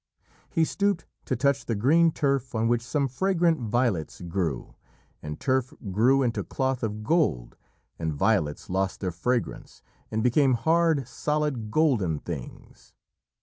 He stooped to touch the green turf on which some fragrant violets grew, and turf grew into cloth of gold, and violets lost their fragrance and became hard, solid, golden things.